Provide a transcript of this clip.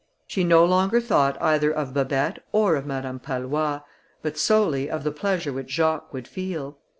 She no longer thought either of Babet or of Madame Pallois, but solely of the pleasure which Jacques would feel.